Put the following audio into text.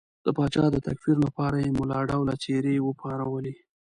د پاچا د تکفیر لپاره یې ملا ډوله څېرې وپارولې.